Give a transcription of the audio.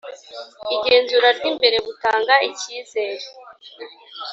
igenzura ry imbere butanga icyizere